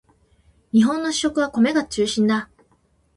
日本の主食は米が中心だ